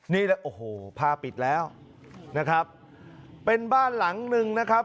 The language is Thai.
นี่แหละโอ้โหผ้าปิดแล้วนะครับเป็นบ้านหลังหนึ่งนะครับ